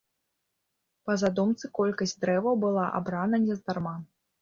Па задумцы, колькасць дрэваў была абрана нездарма.